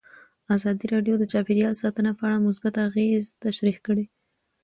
ازادي راډیو د چاپیریال ساتنه په اړه مثبت اغېزې تشریح کړي.